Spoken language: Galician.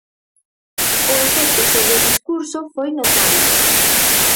O efecto sobre o discurso foi notable.